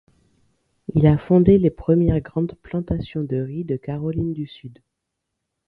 Il a fondé les premières grandes plantations de riz de Caroline du Sud.